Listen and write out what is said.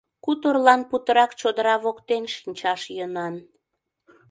Куторлан путырак чодыра воктен шинчаш йӧнан.